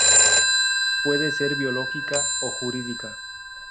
Puede ser biológica o jurídica.